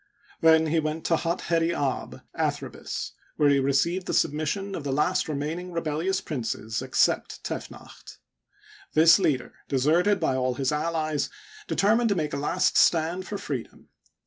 Then ne w^ent to Hat heri ab (Athribis), where he received the submission of the remaining re bellious princes, except Tefnacht. This leader, deserted by all his allies, determined to make a last stand for free dom.